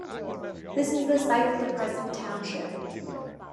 This is the site of the present township.